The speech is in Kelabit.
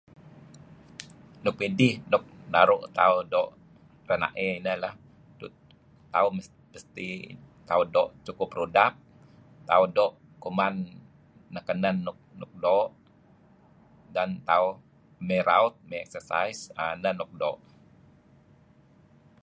Luk idih luk naru' tauh doo' rena'ey neh lah. tauh cukup rudap, tauh doo' kuman luk kenen luk doo', dan tauh mey raut, mey exercise. Ah neh luk doo'